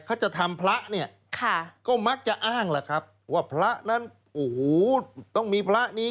เขาจะทำพระเนี่ยก็มักจะอ้างล่ะครับว่าพระนั้นโอ้โหต้องมีพระนี้